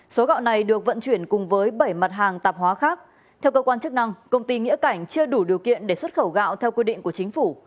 số gạo này được vận chuyển cùng với bảy mặt hàng tạp hóa khác theo cơ quan chức năng công ty nghĩa cảnh chưa đủ điều kiện để xuất khẩu gạo theo quy định của chính phủ